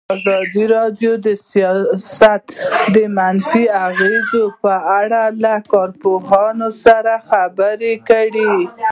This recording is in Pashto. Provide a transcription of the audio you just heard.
ازادي راډیو د سیاست د منفي اغېزو په اړه له کارپوهانو سره خبرې کړي.